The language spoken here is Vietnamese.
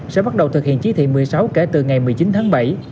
sẽ bắt đầu thực hiện chỉ thị một mươi sáu kể từ ngày một mươi chín tháng bảy